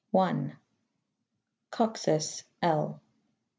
Coxus, L.